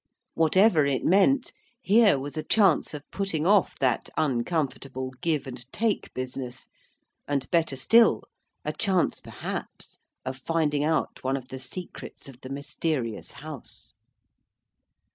Whatever it meant, here was a chance of putting off that uncomfortable give and take business, and, better still, a chance perhaps of finding out one of the secrets of the mysterious House.